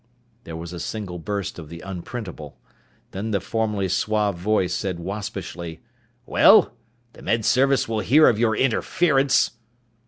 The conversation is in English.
There was a single burst of the unprintable. Then the formerly suave voice said waspishly, "Well? The Med Service will hear of your interference!"